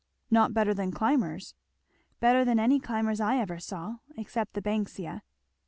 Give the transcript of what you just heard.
"Not better than climbers?" "Better than any climbers I ever saw except the Banksia."